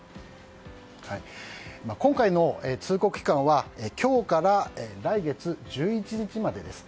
今回の通告期間は今日から来月１１日までです。